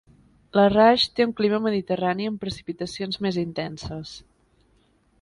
Larraix té un clima mediterrani amb precipitacions més intenses.